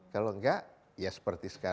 kalau enggak ya seperti sekarang